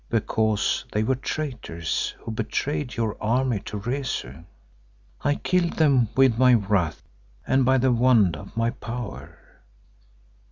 Because they were traitors who betrayed your army to Rezu, I killed them with my wrath and by the wand of my power.